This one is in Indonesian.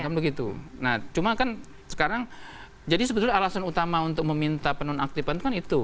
begitu nah cuma kan sekarang jadi sebetulnya alasan utama untuk meminta penonaktifkan itu